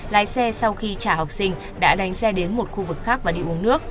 lái xe sau khi trả học sinh đã đánh xe đến một khu vực khác và để uống nước